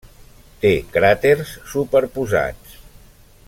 Té cràters superposats.